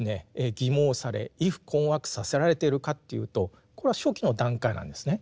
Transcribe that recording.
欺罔され畏怖困惑させられているかというとこれは初期の段階なんですね。